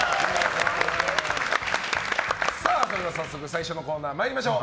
それでは早速、最初のコーナーに参りましょう。